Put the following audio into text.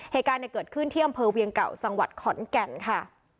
เหตุการณ์เกิดขึ้นที่อำเภอเวียงเก่าจังหวัดขอนแก่นค่ะ